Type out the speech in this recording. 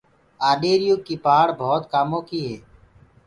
آڏيري يو ڪي پآڙه ڀوت ڪآمو ڪيٚ هي۔